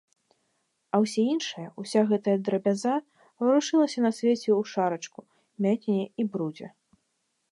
А ўсе іншыя, уся гэтая драбяза, варушылася на свеце ў шарачку, мякіне і брудзе.